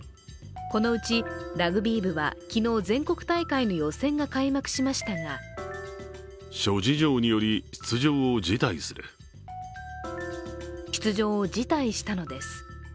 このうちラグビー部は昨日全国大会の予選が開幕しましたが出場を辞退したのです。